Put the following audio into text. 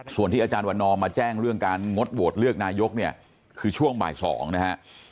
ส่วนที่อาจารย์วันนอมมาแจ้งเรื่องการงดโหวตเลือกนายกเนี่ยคือช่วงบ่าย๒นะฮะ